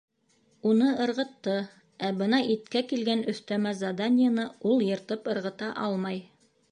Уны ырғытты, ә бына иткә килгән өҫтәмә заданиены ул йыртып ырғыта алмай.